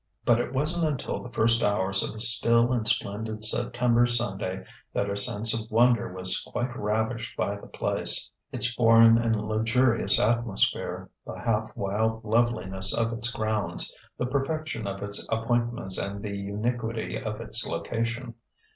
But it wasn't until the first hours of a still and splendid September Sunday that her sense of wonder was quite ravished by the place: its foreign and luxurious atmosphere, the half wild loveliness of its grounds, the perfection of its appointments and the uniquity of its location.